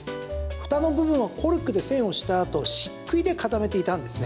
ふたの部分はコルクで栓をしたあと漆喰で固めていたんですね。